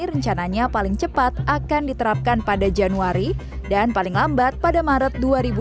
rencananya paling cepat akan diterapkan pada januari dan paling lambat pada maret dua ribu dua puluh